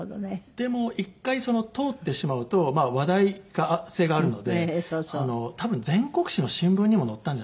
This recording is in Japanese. でも一回通ってしまうと話題性があるので多分全国紙の新聞にも載ったんじゃないかな。